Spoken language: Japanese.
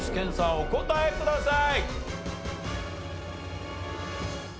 お答えください。